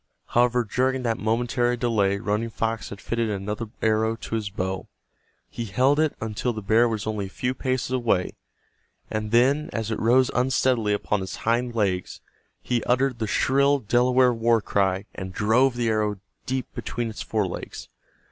However, during that momentary delay Running Fox had fitted another arrow to his bow. He held it until the bear was only a few paces away, and then, as it rose unsteadily upon its hind legs, he uttered the shrill Delaware war cry and drove the arrow deep between its fore legs.